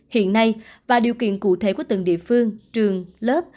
hiện nay và điều kiện cụ thể của từng địa phương trường lớp